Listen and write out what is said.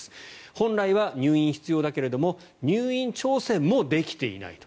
本来は入院が必要だけれども入院調整もできていないと。